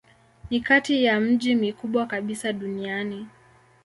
Ni kati ya miji mikubwa kabisa duniani.